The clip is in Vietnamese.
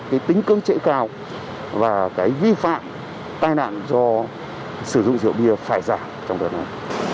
cái tính cương trễ cao và cái vi phạm tai nạn do sử dụng rượu bia phải giảm trong đợt này